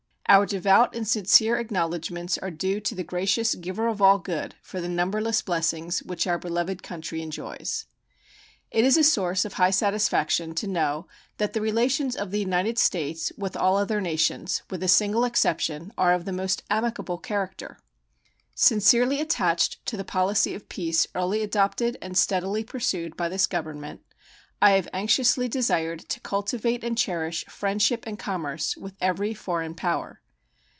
Our devout and sincere acknowledgments are due to the gracious Giver of All Good for the numberless blessings which our beloved country enjoys. It is a source of high satisfaction to know that the relations of the United States with all other nations, with a single exception, are of the most amicable character. Sincerely attached to the policy of peace early adopted and steadily pursued by this Government, I have anxiously desired to cultivate and cherish friendship and commerce with every foreign power.